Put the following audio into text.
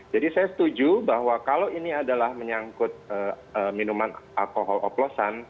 jadi saya setuju bahwa kalau ini adalah menyangkut minuman alkohol oplosan